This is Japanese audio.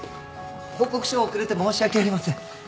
報告書遅れて申し訳ありません。